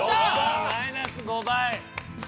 マイナス５倍。